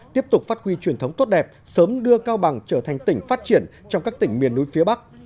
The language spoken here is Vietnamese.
tiếp tục phát huy truyền thống tốt đẹp sớm đưa cao bằng trở thành tỉnh phát triển trong các tỉnh miền núi phía bắc